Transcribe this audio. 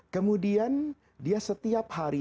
kemudian dia setiap hari